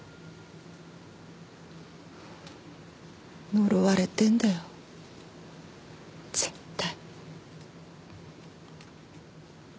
呪われてんだよ絶対。